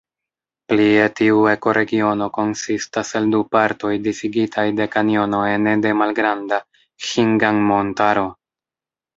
Plie tiu ekoregiono konsistas el du partoj disigitaj de kanjono ene de Malgranda Ĥingan-Montaro.